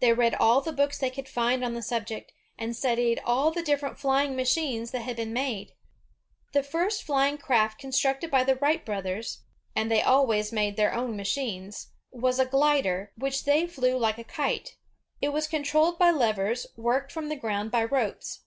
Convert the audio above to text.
They read all the books they could find on the subject, and studied all the different flying machines that had been made. The first flying craft constructed by the Wright broth ers — and they always made their own machines — was a glider, which they flew like a kite. It was controlled by levers worked from the ground by ropes.